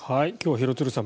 廣津留さん。